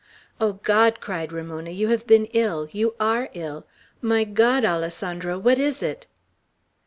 "O God," cried Ramona, "You have been ill! you are ill! My God, Alessandro, what is it?"